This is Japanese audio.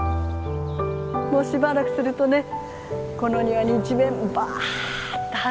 もうしばらくするとねこの庭に一面バッと花が咲くよ。